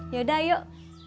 ya udah yuk